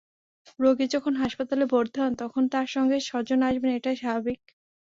রোগী যখন হাসপাতালে ভর্তি হন, তখন তাঁর সঙ্গে স্বজন আসবেন—এটাই স্বাভাবিক।